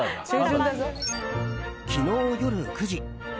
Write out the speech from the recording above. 昨日夜９時。